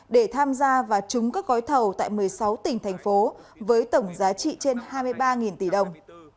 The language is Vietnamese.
để tham gia và trúng các gói thầu tại một mươi sáu tỉnh thành phố với tổng giá trị trên hai mươi ba tỷ đồng